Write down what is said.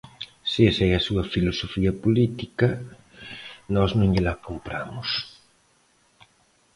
Se esa é a súa filosofía política, nós non llela compramos.